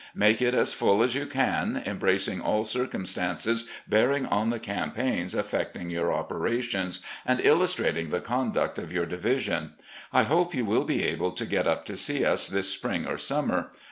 Make it as ftill as you can, embracing all circumstances bearing on the campaigns affecting your operations and illustrating the conduct of your division. I hope you will be able to get up to see us this spring or summer.